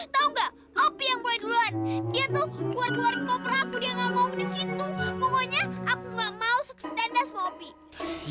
tau nggak opi yang boleh duluan itu